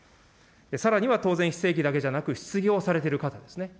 さらには、当然、非正規だけじゃなく、失業されてる方ですね。